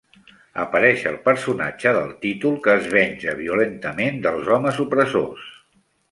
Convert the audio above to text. Apareix el personatge del títol, que es venja violentament dels homes opressors.